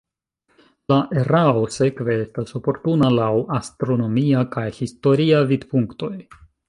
La erao sekve estas oportuna laŭ astronomia kaj historia vidpunktoj.